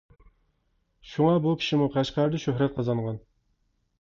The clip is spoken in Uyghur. شۇڭا بۇ كىشىمۇ قەشقەردە شۆھرەت قازانغان.